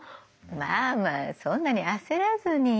まあまあそんなに焦らずに。